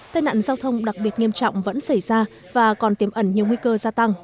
tai nạn giao thông đặc biệt nghiêm trọng vẫn xảy ra và còn tiêm ẩn nhiều nguy cơ gia tăng